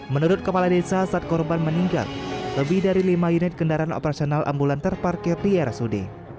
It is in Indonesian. menurut kepala desa saat korban meninggal lebih dari lima unit kendaraan operasional ambulan terparkir di rsud